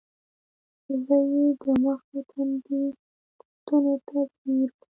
زۀ ئې د مخ او تندي کوتونو ته زیر ووم ـ